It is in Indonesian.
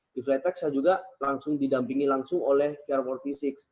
di flat track saya juga langsung didampingi langsung oleh vr empat d enam